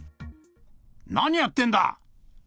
何やってんだ！